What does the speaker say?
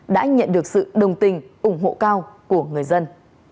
đã nhận được sự đồng tình ủng hộ cao của người dân